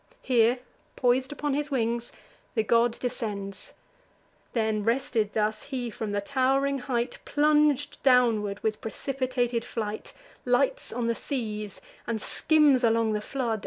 Here, pois'd upon his wings, the god descends: Then, rested thus, he from the tow'ring height Plung'd downward, with precipitated flight, Lights on the seas, and skims along the flood.